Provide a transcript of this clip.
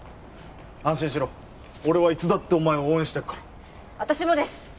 安心しろ俺はいつだってお前を応援してっから私もです